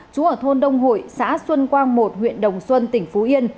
chú ở thôn đông hội xã xuân quang một huyện đồng xuân tỉnh phú yên